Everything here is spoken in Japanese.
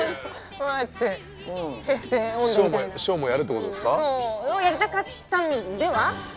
そうをやりたかったのでは？